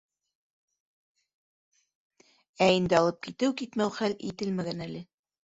Ә инде алып китеү, китмәү хәл ителмәгән әле.